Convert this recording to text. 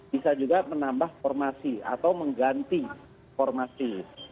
bisa juga menambah formasi atau mengganti formasi